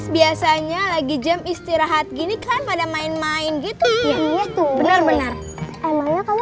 biasanya lagi jam istirahat gini kan pada main main gitu benar benar emangnya kamu